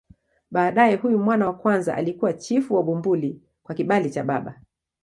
Baadaye huyu mwana wa kwanza alikuwa chifu wa Bumbuli kwa kibali cha baba.